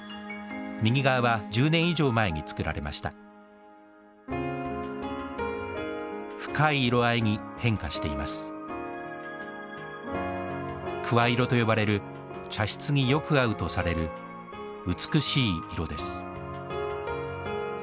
右側は１０年以上前に作られました深い色合いに変化しています桑色と呼ばれる茶室によく合うとされる美しい色です